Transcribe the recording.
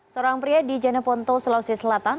seorang pria di janeponto sulawesi selatan